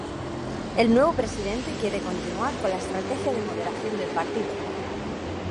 El nuevo presidente quiere continuar con la estrategia de moderación del partido.